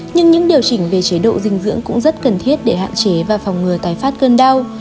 nhưng những điều chỉnh về chế độ dinh dưỡng cũng rất cần thiết để hạn chế và phòng ngừa tái phát cơn đau